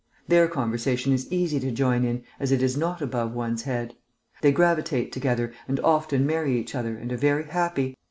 Their conversation is easy to join in, as it is not above one's head. They gravitate together, and often marry each other, and are very happy.